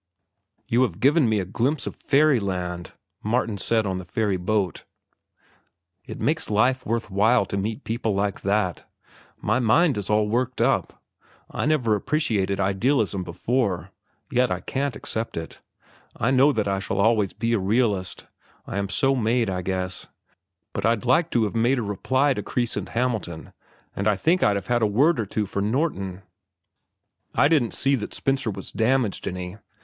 "You have given me a glimpse of fairyland," Martin said on the ferry boat. "It makes life worth while to meet people like that. My mind is all worked up. I never appreciated idealism before. Yet I can't accept it. I know that I shall always be a realist. I am so made, I guess. But I'd like to have made a reply to Kreis and Hamilton, and I think I'd have had a word or two for Norton. I didn't see that Spencer was damaged any.